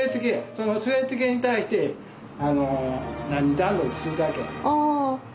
その据え付けに対してなに段取りするだけや。